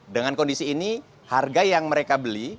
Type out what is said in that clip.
dengan kondisi ini harga yang mereka beli